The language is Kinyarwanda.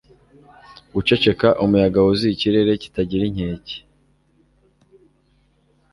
Guceceka umuyaga wuzuye ikirere kitagira inkeke